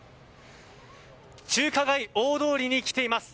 中華街大通りに来ています。